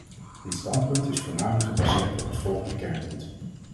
Ons standpunt is voornamelijk gebaseerd op het volgende kernpunt.